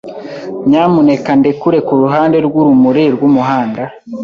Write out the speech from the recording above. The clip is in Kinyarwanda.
Nyamuneka ndekure kuruhande rwurumuri rwumuhanda.